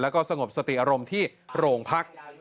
แล้วก็สงบสติอารมณ์ที่โรงพัก